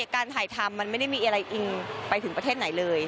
การถ่ายทำมันไม่ได้มีอะไรอิงไปถึงประเทศไหนเลย